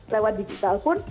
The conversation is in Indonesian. lewat digital pun